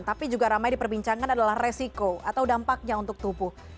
tapi juga ramai diperbincangkan adalah resiko atau dampaknya untuk tubuh